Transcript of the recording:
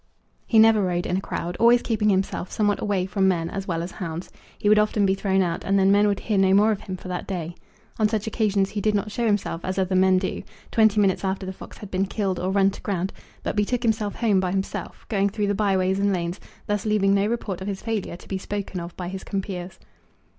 He never rode in a crowd, always keeping himself somewhat away from men as well as hounds. He would often be thrown out, and then men would hear no more of him for that day. On such occasions he did not show himself, as other men do, twenty minutes after the fox had been killed or run to ground, but betook himself home by himself, going through the byeways and lanes, thus leaving no report of his failure to be spoken of by his compeers.